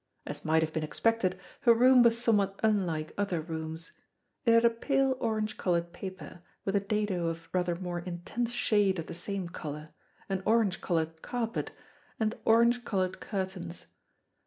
As might have been expected, her room was somewhat unlike other rooms. It had a pale orange coloured paper, with a dado of rather more intense shade of the same colour, an orange coloured carpet and orange coloured curtains.